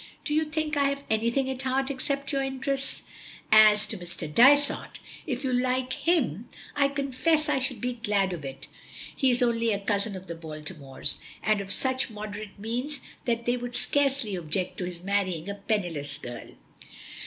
Do you think I have anything at heart except your interests? As to Mr. Dysart, if you like him, I confess I should be glad of it. He is only a cousin of the Baltimores, and of such moderate means that they would scarcely object to his marrying a penniless girl."